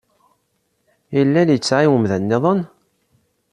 Yella littseɛ i umdan niḍen?